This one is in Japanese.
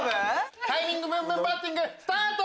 タイミングブンブンバッティングスタート！